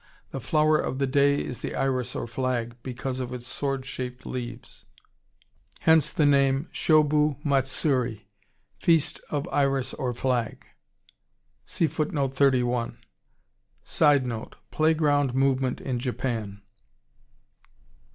The flower of the day is the iris or flag, because of its sword shaped leaves, hence the name, Shobu Matsuri, feast of iris or flag. [Sidenote: Playground movement in Japan.